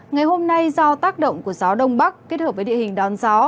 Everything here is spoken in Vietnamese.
ngày hôm nay do tác động của gió đông bắc kết hợp với địa hình đón gió